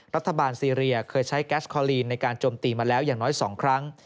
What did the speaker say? ซีเรียเคยใช้แก๊สคอลีนในการจมตีมาแล้วอย่างน้อย๒ครั้ง